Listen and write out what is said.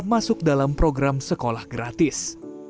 masuk dalam program sekolah gratis